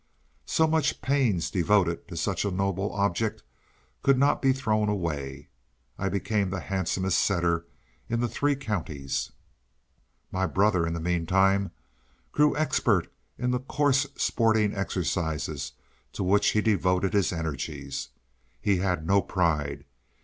So much pains devoted to such a noble object could not be thrown away. I became the handsomest setter in the three counties. My brother, in the meantime, grew expert in the coarse sporting exercises to which he devoted his energies. He had no pride.